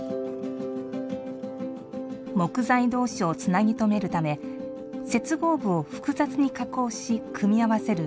木材同士をつなぎ止めるため接合部を複雑に加工し組み合わせる